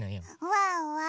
ワンワン